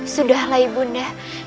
sudahlah ibu nda